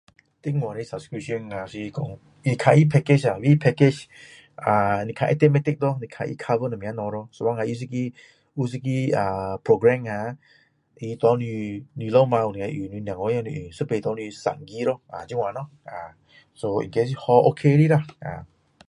电话的 subscription 啊是说你看它的 package 啦它的 package 啊你看会值得不值得咯你看有什么东西咯有时候它一个有一个啊 program 啊它给你你老婆能够用孩子也可以用一次给你三个咯啊这样咯啊 so 应该是 ok 的啦